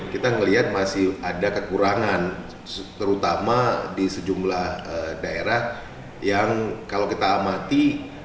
kita melihat masih ada kekurangan terutama di sejumlah daerah yang kalau kita amati